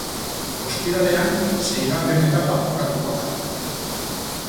Ostiralean seigarren etapa jokatuko da.